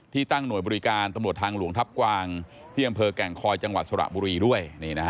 ตั้งหน่วยบริการตำรวจทางหลวงทัพกวางที่อำเภอแก่งคอยจังหวัดสระบุรีด้วย